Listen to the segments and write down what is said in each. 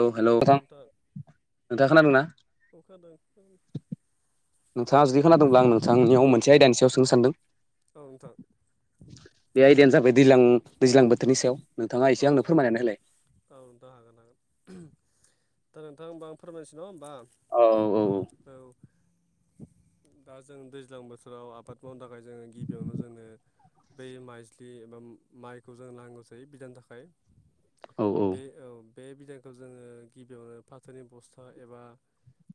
औ हेलौ नोंथां नोंथांङा खोनादोंना? औ खोनादों नोंथांङा जुदि खोनादोंब्ला आं नोंथांनियाव औ मोनसे आयदानि सायाव सोंनो सानदों औ नोंथां। बे आइडयानो जाबाय दैज्लां दैज्लां बोथोरनि सायाव, नोंथाङा औ एसे आंनो फोरमायनानै होलाय। औ नथां हागोन हागोन, दा नोंथां होमबा आं फोरमायनोसै नङा होमबा? अ औ औ। औ'। दा जों दैज्लां बोथोराव आबाद मावनो थाखाय जोङो गिबियावनो जोङो बै माइज्लि एबा माइखौ जों नांगौ जायो बिनि थाखाय। औ बे औ बे बिदांखौ जोङो फाथोनि बस्था एबा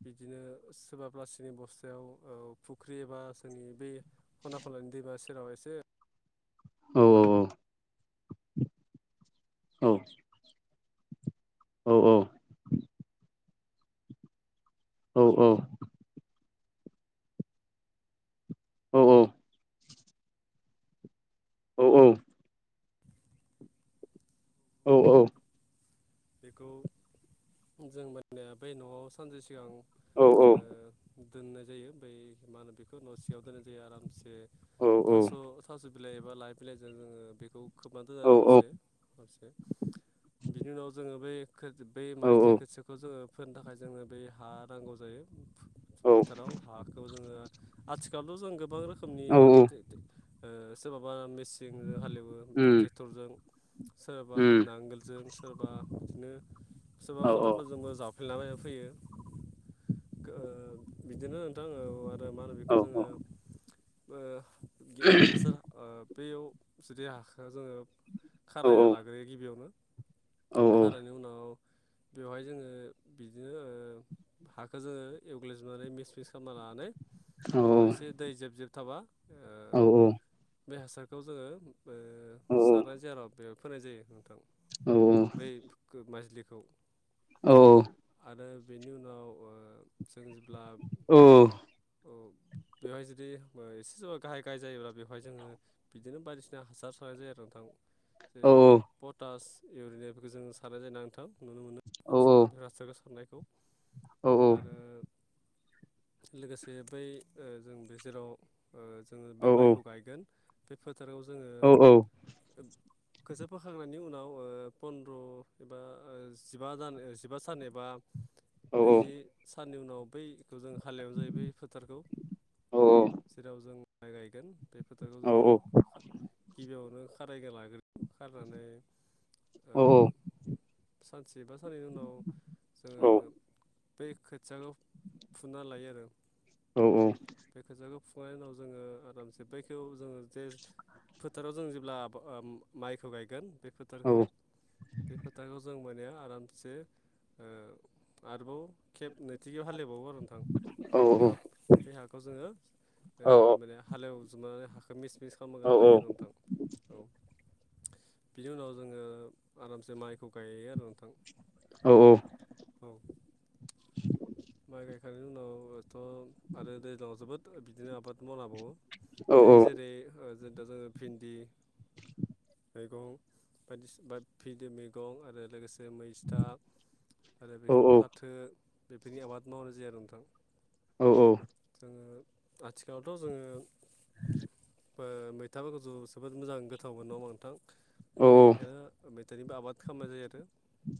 बिदिनो सोरबााब्लासिनि बस्थायाव फुख्रि एबा सोरनि बे खना खलायनानै दैबा सेराव एसे औ औ औ औ। औ औ। औ-औ। औ औ औ। औ औ। बेखौ जों मानिनाया बै न'आव सानसे सिगां। अ दोननाय जायो ओमफ्राय मा होनो बेखौ न' सिङायाव दोननाय जायो आरामसे थास' थास' बिलाइ एबा लाय बिलाइजों जोङो बेखौ खोबनानै औ दोनो औ औ हरसे हरसे बिनि उनाव जोङो बै बै उम माइजलि खोथियाखौ जोङो फोनो थाखाय जोङो बै हा नांगौ जायो। फोथाराव हाखौ जोङो आथिखालथ' जों गोबां रोखोमनि उम सोरबाबा मेसिनजों हालेवो ट्रेक्टरजों सोरबा नांगोलजों सोरबा बिदिनो सोरबा औ खदालफोरजोंबो जाव जावग्लिबायना फोयो बिदिनो नोंथां ओं। आरो मा होनो बेखौ औ जोङो हासार बेयाव जुदि हाखौ जोङो औ खारायना लाग्रोयो गिबियावनो। औ खारानायनि उनाव बेवहाय जोङो बिदिनो ओ हाखौ जोङो एवग्लिजोबनानै मिस मिस खालामना लानानै। बेवहाय एसे दै जेब जेब थाबा, बे हासारखौ जोङो सारनाय जाया बेवहाय फोनाय जायो नोंथां। औ औ। मायज्लिखौ आरो बेनि उनाव जों जेब्ला औ। औ बेवहाय जुदि सोरबा एसे गाहाय गाहाय जायोब्ला बेवहाय जोङो बिदिनो बायदिसिना हासार सारनाय जायो आरो नोंथां। जेरै पटास, इउरिया बेफोरखौ जों सारनाय जायो नोंथां। नुनो मोनो आथिखालावथ' रासायनारि हासार सारनायखौ, आरो लोगोसे बै जों बे जेराव जोङो बै माइखौ गायगोन बे फोथाराव जोङो औ औ खोथिया फोखांनायनि उनाव ओ पन्द्र' एबा जिबा दान जिबा सान एबा औ नैजि साननि उनाव बैखौ जों हालेवनो जायो बै फोथारखौ, जेराव जों माइ गायगोन बे फोथारखौ जोङो गिबियावनो खारायना लाग्रोदों खारायनानै ओं सानसेबा साननैनि उनाव जोङो बै खोथियाखौ फुना लायो आरो। औ औ। बे खोथियाखौ फुखांनायनि उनाव जोङो आरामसे बैइखौ जोङो जे फोथाराव जों जेब्ला माइखौ गायगोन बे फोथारखौ बे फोथारखौ जों माने आरामसे आरोबाव खेब नैथि हालेबावो आरो नोंथां। बे हाब बे हाखौ जोङो माने हालेवजोबनानै हाखौ मिस मिस खालामग्रोना लायो आरो नोंथां औ बिनि उनाव जोङो आरामसे माइखौ गायो आरो नोंथां। औ औ। औ माइ गायखांनायनि उनावथ' आरो दैज्लांआव जोबोद बिदिनो आबाद मावनो हाबावो। बे जेरै जों दा जोङो भिन्दि मैगं बायदिसिना फिन्डि मैगं आरो लोगोसे जै मैस्था आरो बेखौ फाथो बेफोरनि आबाद मावनाय जायो नोंथां। औ औ जोङो आथिखालावथ' जोङो [inaudible] बो मैथाफोरखौथ' जोबोद मोजां गोथावबो मोनो नङा होमबा नोंथां बे ओंखायनो मैथानिबो आबाद खालामनाय जायो आरो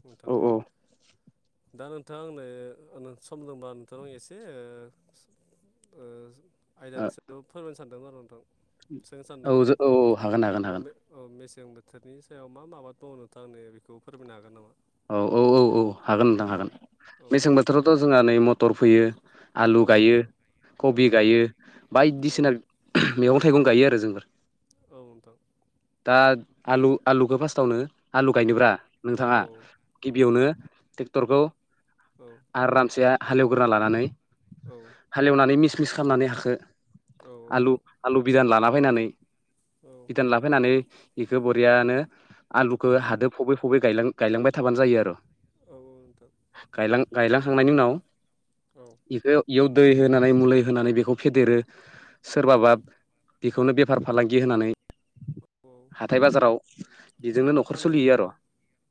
नोंथां। दा नोंथाङा आंनो सम दंबा नोंथांनाव एसे ओ आयदानि सायाव फोरमायनो सानदोंमोन आरो नोंथां सोंनो सानदोंमोन औ हागोन हागोन अ हागोन मे औ मेसें बोथोरनि सायाव मा मा आबाद मावो नोंथांङा आंनो बेखौ एसे फोरमायनो हागोन नामा? औ औ औ औ हागोन नोंथां औ हागोन औ मेसें बोथोरावथ' जोंहा नै मटर फोयो। औ आलु गायो नोंथां औ कबि गायो औ बायदिसिना मैगं थाइगं गायो आरो जोंफोर। औ नोंथां। दा आलु आलुखौ फार्स्टावनो आलु औ गायनोब्रा औ नोंथाङा गिबियावनो ट्रेक्टरखौ औ आरामसे हालेवग्रोना लानानै औ हालेवनानै मिस मिस खालामनानै हाखो औ आलु नोंथां आलु बिदान लाना फायनानै बिदान लाना फायनानै बिखौ बरियानो आलुखौ हादो फबै फबै गायलां गायलांबाय थाबानो जायो आरो। औ औ नोंथां। गायलां गायलांखांनायनि उनाव औ इखो इयाव दै होनानै मुलि होनानै‌ बेखौ फेदेरो सोरबाबा औ बेखौनो बेफार फालांगि होनानै औ हाथाय बाजाराव हाथाय बिजोंनो बाजार नख'र फाननाय सलियो जायो आर'। आरोना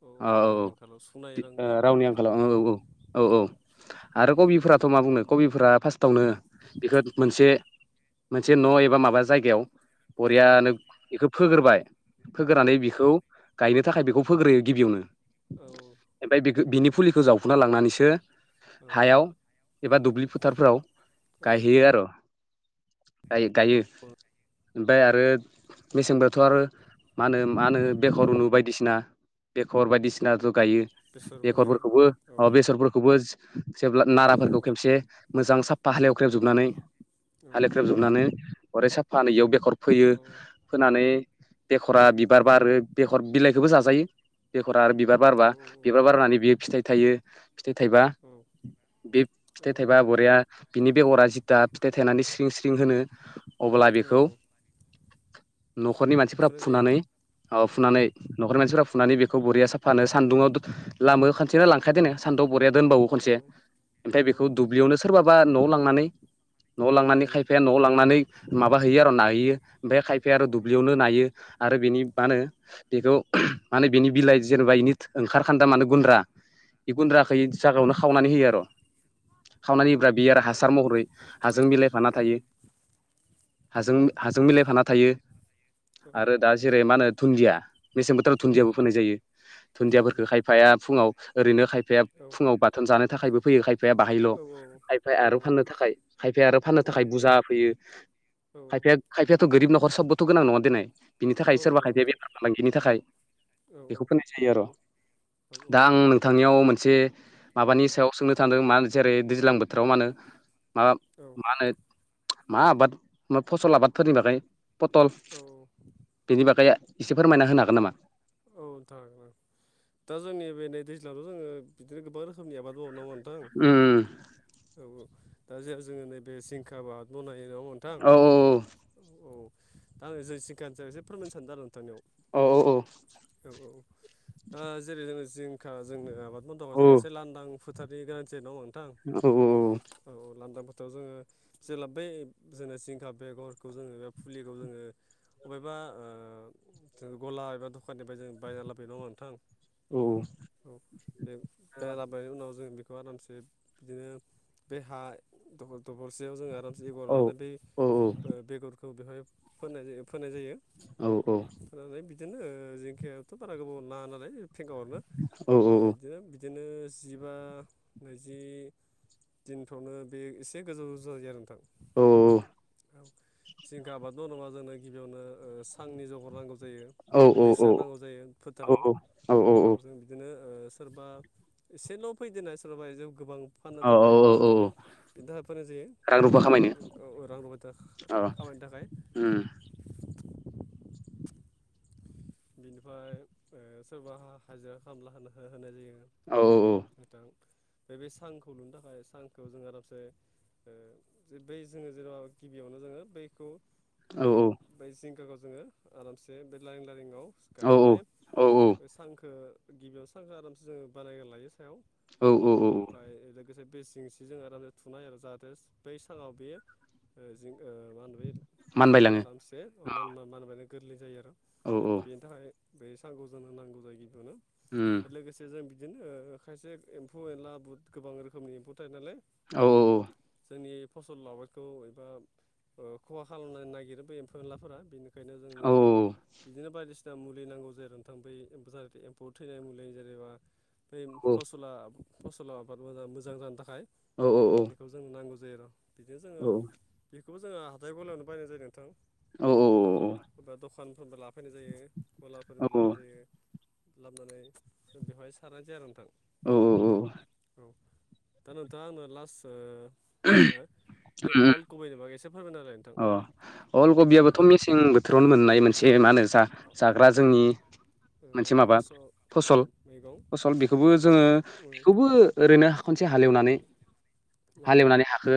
औ अ रांनि आंखालाव सुनाय रां औ रावनि नांगौ आंखालाव जाबा औ औ। औ औ आरो कबिफोराथ' मा बुंनो कबिफोरा फार्स्टावनो औ बिखो मोनसे मोनसे न' एबा माबा जायगायाव औ बरियानो इखो फोग्रोबाय औ फोग्रोनानै बिखौ गायनो थाखाय बेखौ फोग्रोयो गिबियावनो। औ ओमफाय बेखौ बिनि फुलिखौ जावफुना लांनानैसो औ हायाव एबा दुब्लि फोथारफोराव औ गायहैयो आर गायो गायो ओमफाय आरो औ मेसेंबाथ आरो मा होनो मा होनो बे बेखर उनु बायदिसिना बेखर बायदिसिना ब्लाबो गायो बेसर फोनाय औ बेखरफोरखौबो औ अ बेसरफोरखौबो जेब्ला औ नाराफोरखौ खेबसे मोजां साफा हालेवख्रेब जोबनानै हालेख्रेब जोबनानै बरिया साफानो इयाव बेखर फोयो फोनानै बेखरा औ बिबार बारो बेखर बिलाइखोबो जाजायो बेखरा आरो बिबार औ बारबा बिबार बारनानै बियो फिथाइ थायो फिथाइ थाइबा औ बे फिथाइ थाइबा बरिया बिनि बेगरा जिथा फिथाइ थायनानै स्रिं स्रिं होनो अब्ला बेखौ नखरनि औ मानसिफ्रा फुनाय फुनानै जायो अ औ फुनानै नखरनि मानसिफोरा फुनानै बेखौ बरिया सा फानो सान्दुंङाव दो लामो खनसेनो लांखाया देनाय बरिया दोनबावो औ खनसे ओमफाय बेखौ औ दुब्लियावनो सोरबाबा नआव लांनानै नवाव लांनानै नायो खायफाया नवाव लांनानै माबा हैयो आर नाहैयो ओमफाय खायफा या औ आरो दुब्लियावनो नायो आरो बेनि औ मानो बेखौ माने बिनि बिलाइ जेनेबा इनि ओंखारखान्दा माने गुन्द्रा बे औ गुन्द्राखै जागायावनो खावनानै होयो आर' खावनानैब्रा औ बियो आरो नोंथां हासार महरै औ हाजों मिलायफाना थायो हाजों औ हाजों मिलायफाना थायो आरो दा जेरै मा होनो दुन्दिया मेसें बोथोराव औ दुन्दियाबो फोननाय जायो जायो दुन्दियाफोरफोरखौ खाय जायो खायफाया फुङाव ओरैनो खायफाया फुङाव बाथोन जानो थाखायबो फैयो खाय खायफाया बाहायल' औ औ औ औ खायफाया औ आरो औ फाननो थाखाय खायफाया आरो फाननो थाखाय औ नोंथां औ बुरजा फैयो औ खायफायथ' गोरिब नखर सबबोथ गोनां नङा देनाय बिनि थाखाय औ सोरबा खायफाया बेफार फालांगिनि थाखाय बेखौ फनाय जायो आर' औ औ थांनियाव मोनसे माबानि सायाव सोंनो थांदों मा जेरै दैज्लां बोथोराव मा होनो माबा मा होनो मा आबाद फसल आबादफोरनि बागै पटल औ बेनि बागै एसे फोरमायना होनो हागोन नामा? औ थारैनो दा जों नै बे दैज्लांथ' जोङो बिदिनो गोबां रोखो रोखोमनि आबाद मावो नङा होनबा नोंथां उम औ औ दा जे जोङो नैबे जिंखा आबाद बनायो नङा होनबा नोंथां औ औ दा आं जेसिखानि सोमोन्दै एसे फोरमायनो सानदों आरो नोंथांनियाव औ औ औ औ औ दा जेरै जों जिंखा जोंनो आबाद माव दङ औ जों एसे लांदां फो थानि गोनांथि दङ नङा होनबा नोंथां औ औ औ औ लान्दां फोथोराव जोङो जेब्ला बै जोंनो जिंखा बेगरखौ जोङो बे फुलिखौ जोङो बबेबा ओ जों गला एबा दखाननिफ्राय जों बायना लाबोबाय नङा होनबा नोंथां औ औ बे बायनख लाबोनायनि उनाव जों बेखौ खौ आरामसे बिदिनो बे हा दखर दखरसेयाव जोङो जेगर औ लानो बै औ ओ बेगरखौ बेवहाय फोन फोनाय जायो औ औ होननानै बिदिनो ओ जिंखायाथ बारा गोबाव नाङा नालाय फेंगा हरनो ओ ओ बिदिनो जिबा नैजि दिनफोरावनो बे एसे गोजौ गोजौ जायो आरो नोंथां। औ औ जिंखा आबाद मावोबा जोंनो गिबियावनो ओ सांनि जगर नांगौ जायो। औ बैसा नांगौ जायो फोथाराव औ जों बि दिनो ओ सोरबा एसेल' फैदना सोरबा गोबां फाननो औ थाखाय बा औ औ बिनि थाखाय फानो रां रुफा खामायनो जायो औ रां रुफाया अ खामायनो थाखाय उम बिनिफ्राय ओ सोरबा हाजिरा खला हो-होनाय जायो। औ औ नोंथां बे सांखौ लुनो थाखाय सांखौ जोंहा दाबसे ओ बै जोङो जेन'बा गिबियावनो जोङो बैखौ औ बै बै जिंखाखौ जोङो आरामसे बे लारिं लारिंआव औ गायनानै औ बे सांखो गिबियाव सांखो आरामसे जोङो बानायग लायो सायाव औ औ ओमफ्राय लोगोसे बे जिंसिजों आराम जाहाथे बै साहाव बेयो ओ जे मा होनो बे जिंखाया मानबायलाङो आरामसे मा-मानबायानो गोरलै जायो आरो औ औ बेनि थाखाय बे साखौ जोंनो नांगौ जायो गिबियावनो हम लोगोसे जों बिदिनो ओ खायसे एम्फौ-एनला बु गोबां रोखोमनि एम्फौ थायो नालाय औ जोंनि पसल आबाद एबा ओ खहा खालामनो नागिरो बे एम्फौ-एनलाफोरा बेनिखायनो औ जोङो बायदिसिना मुलि नांगौ जेरै नोंथां बे एम्फौआव थैनाय मुलि जेनबा बे फसला फसल आबाद मोजां जानो थाखाय औ औ बेखौ जोंनो नांगौ जायो र बिदिनो जोङो बेखौबो जोङो हाथाय गलायावनो बायनाय जायो नोंथां। औ बेबा दखानफोरनिबो लाफैनाय जायो गलाफोरनिबो लाबोनाय जायो। लाबोनानै बेवहाय सारनानै जाया नोंथां। औ औ औ औ दा नोंथाङा आंनो लास ओ मा होनो उम बे अल गुबिनि बागै एसे फोरमाय होलाय नोंथां अ अल कबियाबोथ' मेसें बोथोरावनो मोननाय मोनसे जा-जाग्रा जोंनि ओ मोनसे माबा फार्स्टआव फसल मैगं फसल बेखौबो जोङो बेखौबो ओरैनो खनसे हालेवनानै औ हालेवनानै हाखौ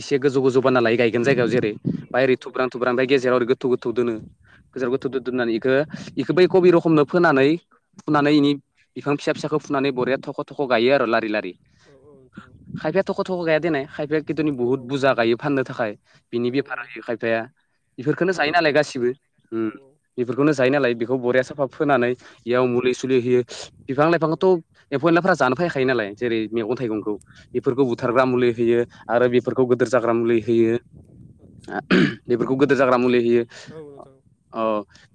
इसे गोजौ गोजौ बानायना लागोन गायगोन जायगायाव जेरै औ नोंथां ओमफ्राय ओरै थुब्रां थुब्रां ओमफ्राय गेजेराव ओरै गोथौ गोथौ दोनो गेजेराव गोथौ गोथौ दोन्नानै बेखौ बेखौ बै कबि रखमनो फोनानै फुनानै इनि बिफां फिसा फिसाखौ फुनानै बरिया थख' थख' गायो आरो लारि लारि खायफाया थख' थख' गाया देेननाय खायफाया खिथुनि औ बुहुत बुरजा गायो फाननो थाखाय। नि औ बेफार खायफाया औ बेफोरखौनो जायो रांनि नालाय गासिबो थाखाय औ उ बेफोरखौनो जायो नालाय बेखौ बरिया साफा फोनानै बेयाव मुलि सुलि होयो। औ बिफां-लाइफांखौथ' एम्फौ-एनलाफोरा जानो फैखायो नालाय जेरै औ मैगं-थाइगंखौ बेफोरखौ बुथारग्रा औ मुलि होयो आरो बेफोरखौ गोदोर जाग्रा मुलि होयो। आदसा आ ओम बेफोरखौ गोदोर जाग्रा नोंथां मुलि होयो। औ नोंथां औ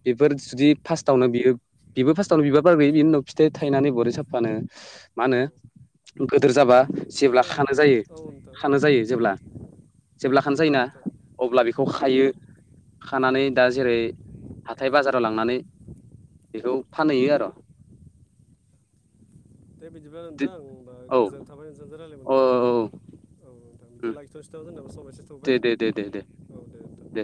बेफोर जुदि फार्स्टआवनो बियो बिबो फार्स्टआवनो बिबार बार बारबाय बिनि उनाव फिथाइ थायनानै बरिया साफानो मा होनो औ गोदोर जाबा दे जेब्ला औ खानो जायो नोंथां औ खानो जायो जेब्ला जेब्ला खानो जायोना [inaudible] अब्ला बेखौ खायो खानानै दा जेरै हाथाय बाजाराव लांनानै बेखौ फानहैयो आर दे बिदिब्ला नोंथां होमबा गोजोन थाबाय नोंथांजों रायजलाय औ मोननानै। औ बिदिबा औ लाखिथ [unintelligible] दे दे दे दे दे दे